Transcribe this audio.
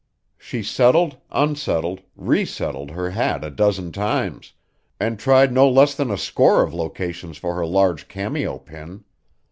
She settled, unsettled, resettled her hat a dozen times, and tried no less than a score of locations for her large cameo pin.